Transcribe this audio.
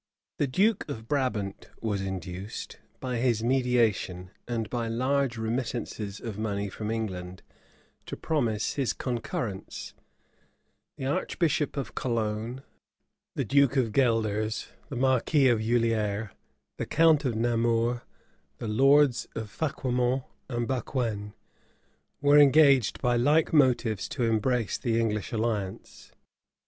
The duke of Brabant was induced, by his mediation, and by large remittances of money from England, to promise his concurrence;[*] the archbishop of Cologne, the duke of Gueldres, the marquis of Juliers, the count of Namur, the lords of Fauquemont and Baquen, were engaged by like motives to embrace the English alliance.